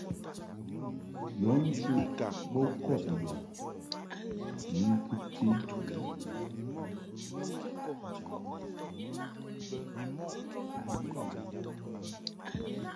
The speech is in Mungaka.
Yɔ nchuʼ bo kwɛd i yɔ ni ŋkɨbti.